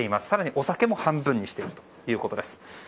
更にお酒も半分にしているということです。